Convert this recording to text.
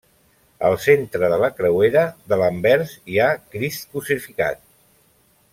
Al centre de la creuera de l'anvers hi ha Crist crucificat.